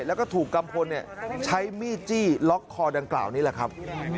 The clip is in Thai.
แล้วก็ถูกกัมพลใช้มีดจี้ล็อกคอดังกล่าวนี่แหละครับ